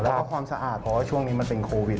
แล้วก็ความสะอาดเพราะว่าช่วงนี้มันเป็นโควิด